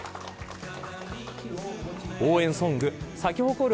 応援ソング咲きほこる